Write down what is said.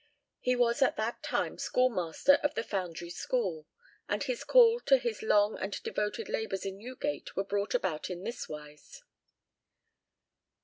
He was at that time schoolmaster of the Foundry school, and his call to his long and devoted labours in Newgate were brought about in this wise.